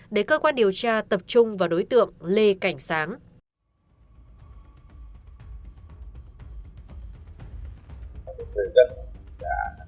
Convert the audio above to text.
để cơ quan điều tra tập trung vào đối tượng lê cảnh sáng